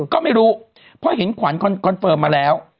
ก็ไม่รู้เพราะเห็นขวัญคอนเฟิร์มมาแล้ว